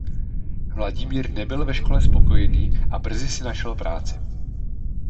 Vladimír nebyl ve škole spokojený a brzy si našel práci.